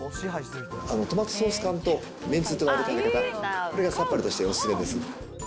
トマトソース缶とめんつゆ、これがさっぱりとしてお勧めです。